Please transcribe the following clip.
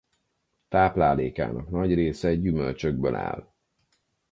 Táplálékának nagy része gyümölcsökből áll.